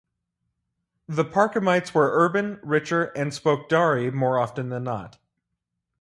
The Parchamites were urban, richer, and spoke Dari more often than not.